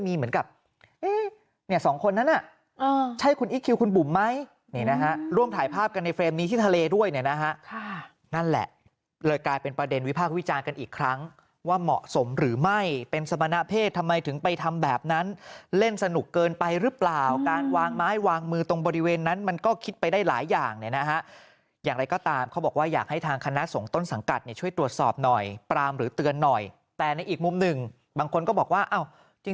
มีที่ทะเลด้วยนะฮะนั่นแหละเลยกลายเป็นประเด็นวิพากษ์วิจารณ์กันอีกครั้งว่าเหมาะสมหรือไม่เป็นสมณะเพศทำไมถึงไปทำแบบนั้นเล่นสนุกเกินไปหรือเปล่าการวางไม้วางมือตรงบริเวณนั้นมันก็คิดไปได้หลายอย่างนะฮะอย่างไรก็ตามเขาบอกว่าอยากให้ทางคณะสงต้นสังกัดช่วยตรวจสอบหน่อยปรามหรือเตือนหน่อยแต่ใ